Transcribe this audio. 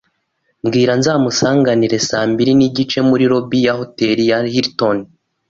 Bwira nzamusanganira saa mbiri nigice muri lobby ya Hotel ya Hilton.